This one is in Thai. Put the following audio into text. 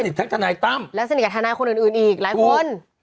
ทั้งทนายตั้มและสนิทกับทนายคนอื่นอีกหลายคน